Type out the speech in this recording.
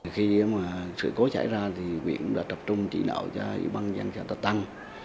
khi mà sự cố xảy ra thì quyền đã tập trung chỉ đạo cho y băng dân trà tân